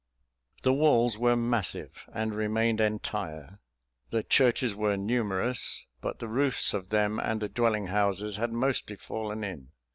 The walls were massive, and remained entire; the churches were numerous, but the roofs of them and the dwelling houses had mostly fallen in.